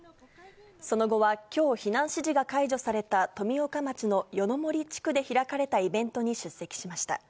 その後は、きょう避難指示が解除された富岡町の夜の森地区で開かれたイベントに出席しました。